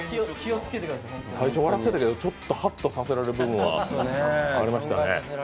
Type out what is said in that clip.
最初、笑ってたけど、ちょっとハッとさせられる場面がありましたね。